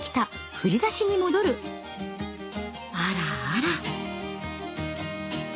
あらあら。